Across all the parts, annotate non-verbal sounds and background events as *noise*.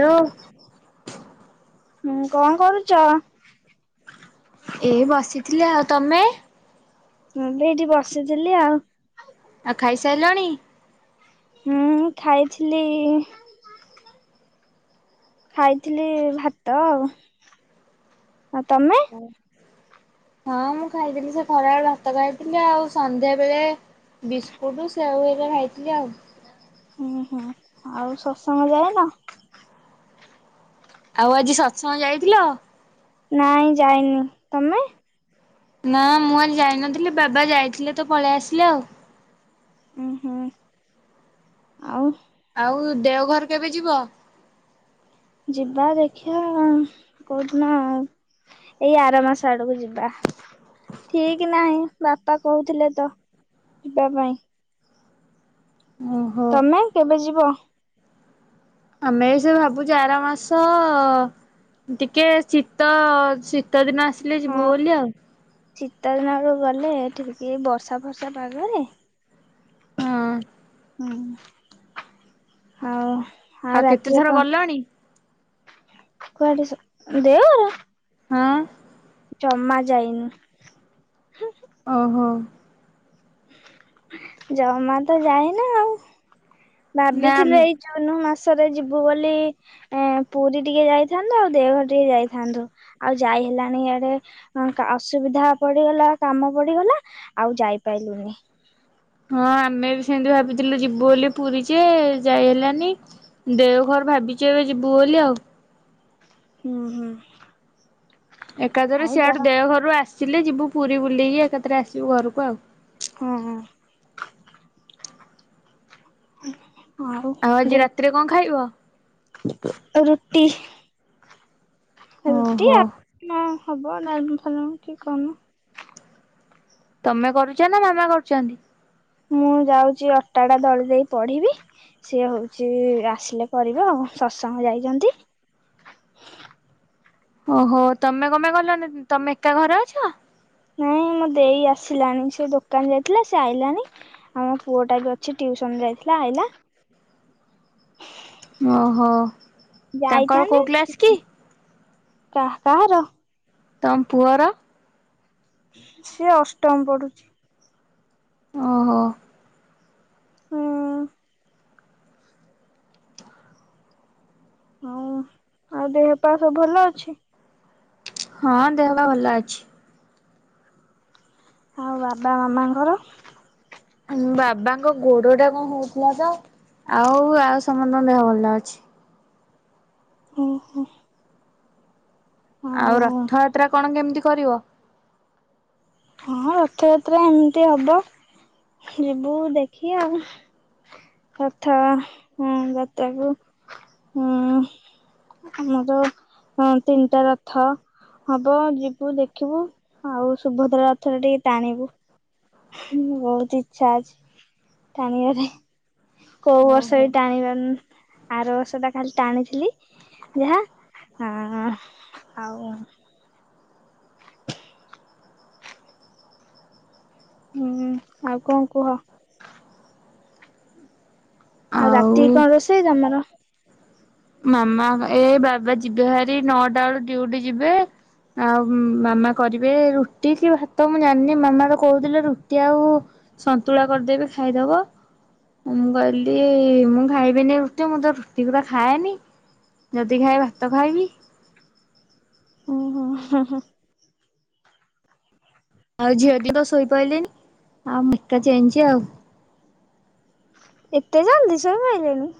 Hello ହୁଁ କଣ କରୁଛ? ଏଇ ବସିଥିଲି ଆଉ ତମେ? ମୁଁ ବି ଏଇଠି ବସିଥିଲି ଆଉ। ଆଉ ଖାଇସାରିଲଣି। ହୁଁ ଖାଇଥିଲି ଖାଇଥିଲି ଭାତ ଆଉ। ଆ ତମେ? ହଁ ମୁଁ ଖାଇଥିଲି ସେ ଖରାବେେଳେ ଭାତ ଖାଇଥିଲି ଆଉ ସନ୍ଧ୍ୟା ବେଳେ ବିସ୍କୁଟୁ ସେଉ ହେକା ଖାଇଥିଲି ଆଉ। ହୁଁ ହୁଁ ଆଉ ସତ୍ସଙ୍ଗ ଯାଇ ନ। ଆଉ ଆଜି ସତ୍ସଙ୍ଗ ଯାଇଥିଲ? ନାଇଁ ଯାଇନି। ତମେ? ନା ମୁଁ ଆଜି ଯାଇନଥିଲି ବାବା ଯାଇଥିଲେ ତ ପଳେଇ ଆସିଲେ ଆଉ। ହୁଁ ହୁଁ ଆଉ। ଆଉ ଦେଓଘର କେବେ ଯିବ? ଯିବା ଦେଖିବା କୋଉଦିନ ଆଉ ଏଇ ଆର ମାସ ଆଡକୁ ଯିବି। ବା ଠିକ ନାହିଁ ବାପା କହୁଥିଲେ ତ ଯିବା ପାଇଁ। ଓହୋ ତମେ କେବେ ଯିବ? ଆମେ ସେ ଭାବୁଛୁ ଆର ମାସ ଅ ଟିକେ ଶୀତ ଶୀତ ଦିନ ଆସିଲେ ଯିବୁ ବୋଲି ଆଉ। ଶୀତଦିନରୁ ଗଲେ ଟକିଏ ବର୍ଷା ଫର୍ଷା ପାଗରେ ହଁ। ହୁଁ ଆଉ ଆଉ ରାତିରେ କେତେଥର ଗଲଣି? କଣ? କୁଆଡେସବୁ ଦେଓଘର। ହଁ, ଜମା ଯାଇନୁ ହୁଁ। ଅହୋ। ଜମାତ ଯାଇନ ଆଉ। ଭାବିଥିଲୁ ନା ଏଇ ଜୁନ ମାସ ଥରେ ଯିବୁ ବୋଲି ପୁରୀ ଟିକେ ଯାଇଥାନ୍ତୁ ଆଉ ଦେଓଘର ଟିକେ ଯାଇଥାନ୍ତୁ ଆଉ ଯାଇ ହେଲାଣି ଆଡେ ଅସୁବିଧା ପଡିଗଲା କାମ ପଡିଗଲା ଆଉ ଯାଇପାଇଲୁନି। ହଁ ଆମେ ବି ସେମିତି ଭାବିଥିଲୁ ଯିବୁ ବୋଲି ପୁରୀ ଯେ ଯାଇ ହେଲାନି ଦେଓଘର ଭାବିଚୁ ଏବେ ଯିବୁ ବୋଲି ଆଉ। ହୁଁ ହୁଁ। ଏକାଥରେ ହଉ ଯା ସିଆଡୁ ଦେଓ ଘରୁ ଆସିଲେ ଯିବୁ ପୁରୀ ବୁଲେକି ଏକାଥରେ ଆସିବୁ ଘରକୁ ଆଉ। ହୁଁ ହୁଁ। ଉ ହୁଁ। ହଉ ଆଉ ଆଜି ଦେ ରାତିରେ କଣ ଖାଇବ? ଗୋଟେ ରୁଟି। ରୁଟି ଓହୋ ଆଉ ନାଁ ହବ ନାଁ ହବ ଉଠିକି ଖାଉନୁ। ତମେ କରୁଛ ନା ମାମା କରୁଛନ୍ତି। ମୁଁ ଯାଉଛି ଅଟାଟା ଦଳି ଦେଇ ପଢିବି। ସିଏ ହଉଛି ଆସିଲେ କରିବେ ଆଉ ସତସଙ୍ଗ ଯାଇଛନ୍ତି। ଓହୋ ତମେ କପେଇଁ ଗଲନି ତମେ ଏକା ଘରେ ଅଛ? ନାଇଁ ହ ମୋ ଦେଇ ଆସିଲାଣି ସେ ଦୋକାନ ଯାଇଥିଲା ସେ ଆଇଲାଣି ଆମ ପୁଅ ଟା ବି ଅଛି ଟ୍ୟୁସନ ଯାଇି ହେଲା ଆଇଲା। ଓହୋ ତାଙ୍କର କୋଉ କ୍ଲାସ କି? କାହା କାହାର। ତମ ପୁଅର। ସେ ଅଷ୍ଟମ ପଢୁଛି। ଓହୋ। ହୁଁ ଆଉ ଦେହ ପା ସବୁ ଭଲ ଅଛି? ହଁ ଦେହ ପା ଭଲ ଅଛି। ଆଉ ବାବା ମାମାଙ୍କର? ହୁଁ ବାବାଙ୍କ ଗୋଡ ଟା କଣ ହଉଥିଲା ତ। ଆଉ ଆଉ ସମସ୍ତଙ୍କ ଦେହ ଭଲ ଅଛି। ଉଁ ହୁଁ। ଆଉ ରଥଯାତ୍ରା କଣ କେମିତି କରିବ। ହଁ ରଥଯାତ୍ରା ଏମିତି ହବ ଯିବୁ ଦେଖି ଆଉ। ରଥ ଯାତ୍ରାକୁ ହୁଁ। ଆମର ତିନିଟା ରଥ। ହବ ଯିବୁ ଦେଖିବୁ ଆଉ ସୁଭଦ୍ରା ରଥରେ ଟିକେ ଟାଣିବୁ। ବହୁତ ଇଚ୍ଛା ଅଛି ଟାଣିଆରେ। କୋଉ ବର୍ଷ ଓହୋ। ବି ଟାଣି ପାରୁନି। ଆର ବର୍ଷଟା ଖାଲି ଟାଣିଥିଲି ଯାହା। ହଁ ହଉ। ହୁଁ ହୁଁ ଆଉ କଣ କୁହ? ଆଉ ରାତିକି କଣ ରୋଷେଇ ତମର? ମାମା ଏ ବାବା ଯିବେ ଭାରି ନଅଟା ବେଳୁ ଡିଉଟି ଯିବେ। ଆଉ ମାମା କରିବେ ରୁଟି କି ଭାତ ମୁଁ ଜାଣିନି। ମାମାଟ କହୁଥିଲେ ରୁଟି ଆଉ ସନ୍ତୁଳା କରିଦେବେ ଖାଇଦବ। ମୁଁ କହିଲି ମୁଁ ଖାଇବିନି ରୁଟି ମୁଁ ତ ରୁଟି ପୁରା ଖାଏନି ଯଦି ଖାଇ ଭାତ ଖାଇବି। ଓ ହୋ ହ ହ। ଆଉ ଝିଅଟି ତ ଶୋଇପଇଲେନି ଆଉ ମୁଁ ଏକା ଚେଇଁଚି ଆଉ। ଏତେ ଜଲଦି ଶୋଇ ପଇଲେଣି।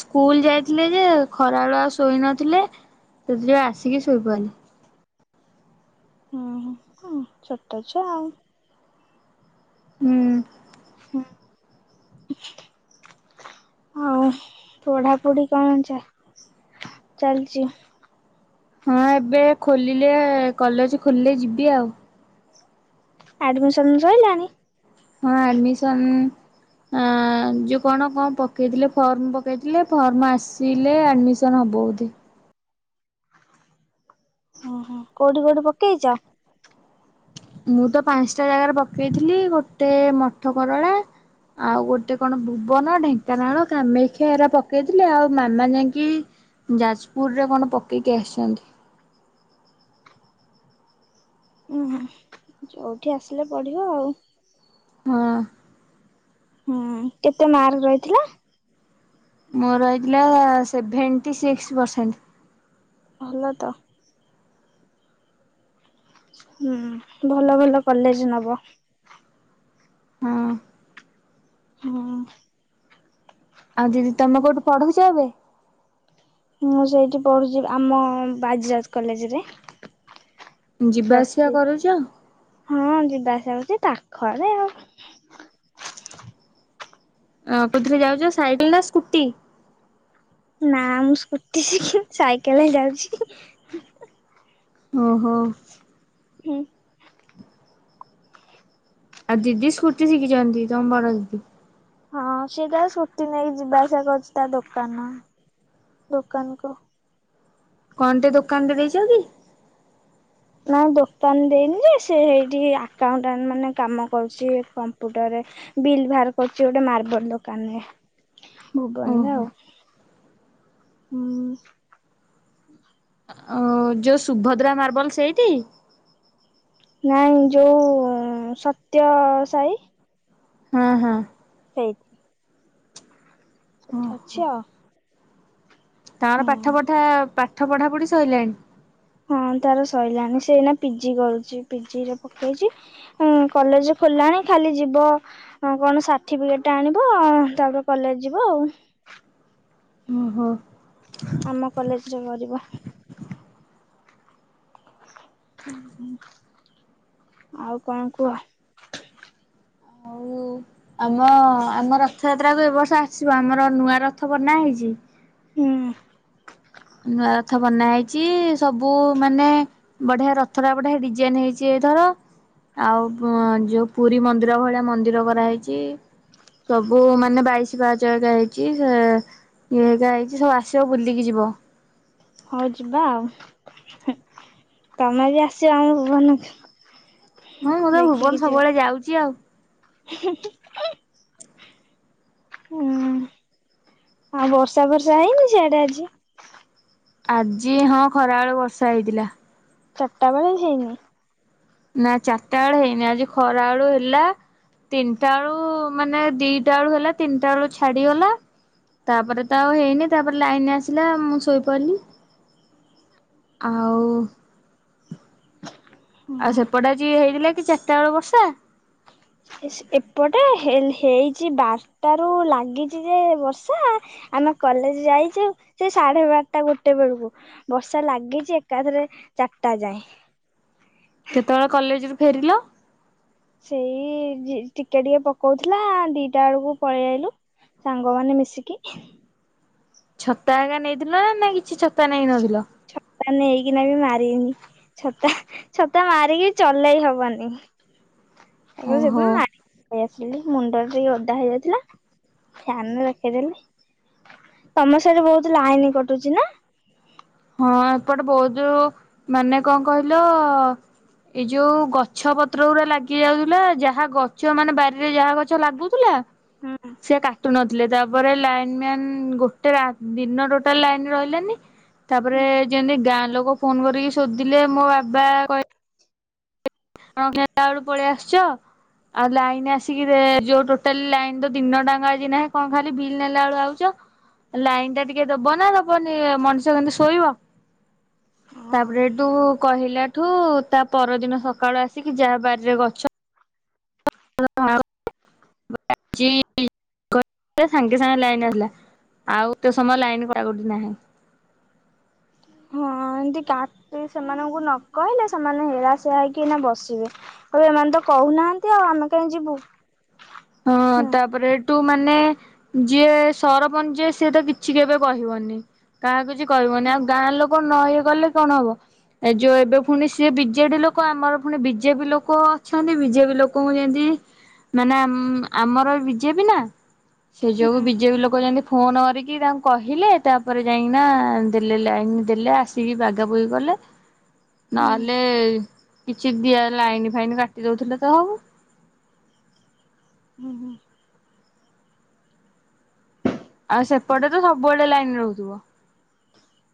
ସ୍କୁଲ ଯାଇଥିଲେ ଯେ ଖରାବେଳୁଆ ଶୋଇ ନଥିଲେ। ସେଥି ଯୋଗୁ ଆସିକି ଶୋଇପନି। ହ ଛୋଟ ଛୁଆ ଆଉ। ହୁଁ। *inaudible* ଆଉ ପଢା ପୁଢି କଣ ଚା ଚାଲିଛି। ହଁ ଏବେ ଖୋଲିଲେ କଲେଜ ଖୋଲିଲେ ଯିବି ଆଉ। ଆଡମିସନ ସଇଲାଣିି। ହଁ ଆଡମିଶନ୍ ଆ ଯୋଉ କଣ କଣ ପକେଇଥିଲେ ଫର୍ମ ପକେଇଥିଲେ ଫର୍ମ ଆସିଲେ ଆଡମିସନ ହବ। ବୋଧେ ହ କୋଉଠି କୋଉଠି ପକେଇଛ। ମୁଁ ତ ପାଞ୍ଚଟା ଜାଗାରେ ପକେଇଥିଲି ଗୋଟେ ମଠ କରରଳା। ଆଉ ଗୋଟେ କଣ ଭୁବନ ଢେଙ୍କାନାଳ କାମେକ୍ଷା ଏରା ପକେଇଥିଲେ। ଆଉ ମାମା ଯାଇକି ଯାଜପୁରରେ କଣ ପକେଇକି ଆସିଛନ୍ତି। ଯଉଠି ଆସିଲେ ପଢିବ ଆଉ। ହଁ। ହୁଁ କେତେ ମାର୍କ ରହିଥିଲା। ମୋର ହେଇଥିଲା ସେଭେନ୍ ଣ୍ଟି ସିକ୍ସ୍ ପରସେଣ୍ଟ। ଭଲ ତ। ହୁଁ ଭଲ ଭଲ କଲେଜେ ନବ। ହଁ। ହଁ। ଆଉ ଦିଦି ତମେ କୋଉଠି ପଢୁଛ ଏବେ। ମୁଁ ସେଇଠି ପଢୁଛି ଆମ ବାଜିରାଉତ କଲେଜରେ। ଯିବା ପ୍ଲସ ଆସିବା ଥ୍ରୀ କରୁଛ? ହଁ ଯି ବାସ ହଉଛି ପାଖରେ ଆଉ। ଅ କଉଥିରେ ଯାଉଛ ସାଇକେଲ ନା ସ୍କୁଟି। ନା ମୁଁ ସ୍କୁଟି ଶିଖିନି। ସାଇକେଲେ ଯାଉଛି। ଓ ହୋ। ହୁଁ। ଆଉ ଦିଦି ସ୍କୁଟି ଶିଖିଛନ୍ତି ତମ ବଡ ଦିଦି। ହଁ ସିଏ ଟା ଛୁଟି ନେଇକି ଯିବା ଆସିବା କରୁଛି ତା ଦୋକାନ। ଦୋକାନକୁ। କଣ ଟେ ଦୋକାନ ଟେ ଦେଇଚନ୍ତି। ନାଇଁ ଦୋକାନ ଦେଇନି ଯେ ସେ ହେଇଠି ଆକାଉଟାଣ୍ଟ ମାନେ କାମ କରୁଛି। କମ୍ପୁଟର ବିଲ୍ ବାହାର କରୁଛି ଗୋଟେ ମାର୍ବଲ ଦୋକାନ ରେ। ଭୁବନରେ ଓହୋ ଆଉ ହୁଁ। ଓ ଯୋଉ ସୁଭଦ୍ରା ମାର୍ବଲ ସେଇଠି। ନାଇଁ ଯୋଉ ସତ୍ୟ ସାଇ। ଓ ହୋ। *inaudible* ଅଛ। ତାର ପାଠ ପଠା ପାଠ ପଢା ପଢି ସଇଲାଣି। ହଁ ତାର ସଇଲାଣି ସେ ଏଇନା ପିଜି କରୁଛି ପିଜିରେ ପକେଇଛି ହ କଲେଜ ଖୋଲା ଣ ଖାଲି ଯିବ କଣ ସାର୍ଟିଫିକେଟ ଟା ଆଣିବ ତାପରେ କଲେଜ ଯିବ ଆଉ। ଓ ହୋ। ଆମ କଲେଜରେ କରିବ। ଆଉ କଣ କୁହ।? ଆଉ। ଆମ ଆମ ରଥଯାତ୍ରା କୁ ଏ ବର୍ଷ ଆସିବ ଆମର ନୂଆ ରଥ ବନା ହେଇଛି। ହୁଁ। ନୂଆ ରଥ ବନା ହେଇଛି ସବୁ ମାନେ ବଢିଆ ରଥ ଟା ବଢିଆ ଡିଜାଇନ ହେଇଛି। ଏଥର ଆଉ ଵ ଯୋଉ ପୁରୀ ମନ୍ଦିର ଭଳିଆ ମନ୍ଦିର କରାହେଇଛି। ସବୁ ମାନେ ବାଇସି ପାହାଚ ରେ ଯାଏ ହେଇଛି ସେ ଇଏ ହେଏକା ହେଇଛି ସବୁ ଆସିବ ବୁଲିକି ଯିବ। ହଉ ଯିବା ଆଉ। ହୁ ତମେ ବି ଆସିବ ଆମ ଭୁବନ କୁ। ହଁ ମୁଁ ତ ଭୁବନ ସବୁବେଳେ ଯାଉଛି ଆଉ। ହୁ ହୁ ହୁ ହୁଁ ଆଉ ବର୍ଷା ବର୍ଷା ହେଇନି ସେଆଡା ଆଜି। ଆଜି ହଁ ଖରା ବେଳୁ ବର୍ଷା ହେଇଥିଲା। ଚାରିଟା ବେଳେ ହେଇନି। ନା ଚାରିଟା ବେଳୁ ହେଇନି ଆଜି ଖରା ବେଳୁ ହେଲା। ତିନିଟା ବେଳୁ ମାନେ ଦିଟା ବେଳୁ ହେଲା ତିନିଟା ବେଳୁ ଛାଡିଗଲା। ତାପରେ ତ ଆଉ ହେଇନି ତାପରେ ଲାଇନ ଆସିଲା ମୁଁ ଶୋଇପଇଲି। ଆଉ। ଆଉ ହଁ ସେପଟେ ଆଜି ହେଇଥିଲା କି ଚାରିଟା ବେଲେ ବର୍ଷା ଏପଟେ ହେଲ ହେଇଛି ବାରଟା ରୁ ଲାଗିଛି ଯେ ବର୍ଷା। ଆମେ କଲେଜ ଯାଇଛୁ ସେ ସାଢେ ବାରଟା ଗୋଟେ ବେଳକୁ ବର୍ଷା ଲାଗିଛି ଏକାଥରେ। ଚାରିଟା ଯାଏ। କେତେବେଳେ କଲେଜରୁୁ ଫେରିଲ? ସେଇ ଝି ଟିକେ ଟିକେ ପକଉଥିଲା ଦିଟା ବେଳକୁ ପଳେଇ ଆଇଲୁ ସାଙ୍ଗ ମାନେ ମିଶିକି। ଛତା ଆଗା ନେଇଥିଲ ନା କିଛି ଛତା ନେଇନଥିଲ? ଛତା ନେଇଇକିନା ବି ମାରିନି ଛତା ଛତା ମାରିକି ଚଲେଇ ହବନି। ଆଗେ ସେ ଓହୋ ଦିନମୁ ଆଗେ ପ ଆସିଲି ମୁଣ୍ଡରେ ଟିକେ ଅଦା ହେଇଯାଇଥିଲା। ଫ୍ୟାନରେ ରଖେଇଦେଲି ତମ ସାଇରେ ବହୁତ୍ ଲାଇନ୍ କଟୁଛି ନା ହଁ ଏପଟେ ବହୁଜୁ ମାନେ କଣ କହିଲ। ଏଇ ଯୋଉ ଗଛ ପତ୍ର ଊରା ଲାଗି ଯାଉଥିଲା ଯାହା ଗଛ ମାନେ ବାରିରେ ଯାହା ଗଛ ଲାଗୁଥିଲା। ହୁଁ ସେ କାଟୁ ନ ଲେ ତାପରେ ଲାଇନ୍ ମ୍ୟାନ ଗୋଟେ ରାଦିନଟୋଟାଲି ଲାଇନ୍ ରହିଲାନି। ତାପରେ ଯେମିତି ଗାଁ ଲୋକ ଫୋନ୍ କରିକି ସୋଦିଲେ ମୋ ବାବା କ *unintelligible* ପଳେଇ ଆସଚ ଆଉ ଲାଇନ୍ ଆସିକି ରେ ଯୋଉଟା ଟୋଟାଲି ଲାଇନ୍ ଦିନ ଟାଙ୍କ ନାହିଁ କଣ ଖାଲି ବିଲ୍ ନେଲା ବେଳୁ ଆଉଚ ଲାଇନ ଟା ଟିକେ ଦବ ନା ଦବନି ଆ ମଣିଷ କେମିତି ଶୋଇବ। ହଁ ତାପରେ ଡୁ କହିଲାଠୁ ତା ପରଦିନ ସକା ସକାଳୁ ଆସିକି ଯାହା ବାଡିରେ ଗଛ *unintelligible* କଟି ଥିଲା ସାଙ୍ଗେ ସାଙ୍ଗେ ଲାଇନ ଆସିଲା ଆଉ ତୋ ସମୟ ଲାଇନ୍ କଟା କୋଠି ନାହିଁ। *unintelligible* ହଁ ଏମତି କାଟି ସେମାନଙ୍କୁ ନ କହିଲେ ସେମାନେ ହେଳାସିଆ ହେଇକି ବସିବେ କହିବେ ଏମାନେ ତ କହୁନାହାନ୍ତି ଆଉ ଆମେ କାହିଁ ଯିବୁ। ହଁ ହୁଁ ତାପରେ ତୁ ମାନେ ଯିଏ ସରପଞ୍ଚ ସିଏ ତ କିଛି କେବେ କହିବନି। କାହାକୁ କିଛି କହିବନି ହୁଁ ଆଉ ଗାଁ ଲୋକ ନ ଇଏ କଲେ କଣ ହବ। ଏ ଯୋଉ ଏବେ ପୁଣି ସେ ବିଜେଡି ଲୋକ ଆମର ପୁଣି ବିଜେପି ଲୋକ ଅଛନ୍ତି ବିଜେପି ଲୋକଙ୍କୁ ଯେମତି ମାନେ ଆମ ଆମର ବିଜେପି ନା ସେ ଯୋଗୁ ହୁଁ ବିଜେପି ଲୋକ ଯେମତି ଫୋନ୍ କରିକି ତାଙ୍କୁ କହିଲେ ତାପରେ ଯାଇକିନା ଦେଲେ ଲାଇନ ଦେଲେ ଆସିକି ବାଗାବଗି କଲେ। ହୁଁ। ନହେଲେ କିଛି ଦିଆ ଲାଇନ ଫାଇନ୍ କାଟି ଦଉଥିଲା ତ ଆଉ ହୁଁ ହୁଁ ଆଉ ସେପଟେ ତ ସବୁବେଡେ ଲାଇନ ରହୁଥିବ।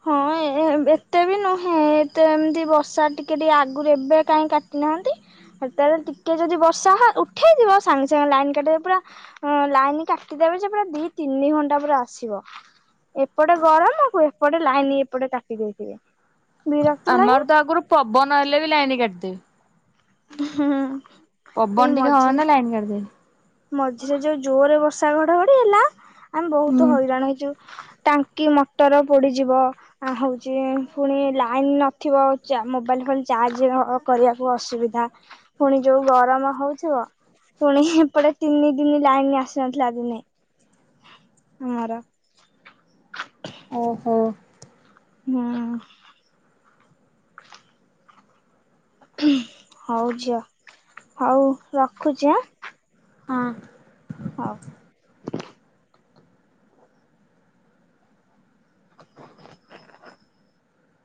ହଁ ଏ ଏତେ ବି ନୁହେଁ ଏତେ ଏମତି ବର୍ଷା ଟିକେ ଟିକେ ଆଗରୁ ଏବେ କାହିଁ କାଟି ନାହାନ୍ତି। ହେତେବେଳେ ଟିକେ ଯଦି ବର୍ଷା ହ ଉଠେଇଯିବ ସାଙ୍ଗେ ସାଙ୍ଗେ ଲାଇନ୍ କାଟିଦେ ପୁରା ଅ ଲାଇନ୍ କାଟିଦେ ତେଣୁ ସେ ପୁରା ଦି ତିନି ଘଣ୍ଟା ପରେ ଆସିବ। ଏପଟେ ଗରମ ହୁଏ ଏପଟେ ଲାଇନ୍ ଏପଟେ କାଟି ଦଉଥିବେ। ଆମର ତ ଆଗରୁ ପବନ ହେଲେ ବି ଲାଇନ କାଟିଦେବେ। ହୁଁ ଅ ପବନ ଟିକେ ହବନା ଲାଇନ୍ କାଟି ଦେବେ। ମଝିରେ ଯୋଉ ଜୋରରେ ବର୍ଷା ଘଡଘଡି ହେଲା ଆମେ ବହୁତ ହୁଁ ହଇରାଣ ହେଇଛୁ ଟା କି ମଟର ପୋଡିଯିବ ହଉଛି ପୁଣି ଲାଇନ୍ ନଥିବ ଚା ମୋବାଇଲ୍ ଫୋବାଇଲ୍ ଚା ଆଜିର ଅ କରିବାକୁ ଅସୁବିଧା ପୁଣି ଯୋଉ ଗରମ ହଉଥିବ। ପୁଣି ହେପଟେ ତିନି ଦିନ ଲାଇନ୍ ଆସି ନଥିଲା ଦିନେ ଆମର ଓହୋ ହଁ ହଉ ଝିଅ ହଉ ରଖୁଛି ଆଁ ହଁ ହଉ।